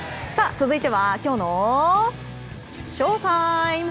続いてはきょうのＳＨＯＴＩＭＥ。